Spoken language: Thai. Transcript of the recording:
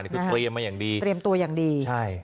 คือเตรียมมาอย่างดี